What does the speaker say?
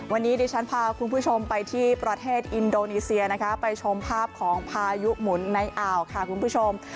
วันนี้ดิฉันพาคุณผู้ชมไปที่ประเทศอินโดนีเซียนะคะไปชมภาพของพายุหมุนในอ่าวค่ะคุณผู้ชม